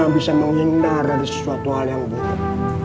bisa menghindar dari sesuatu hal yang buruk